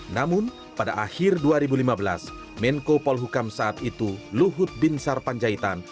namun pada akhir dua ribu lima belas menko polhukam saat itu luhut bin sarpanjaitan